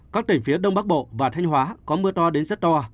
các tỉnh phía đông bắc bộ và thanh hóa có mưa to đến rất to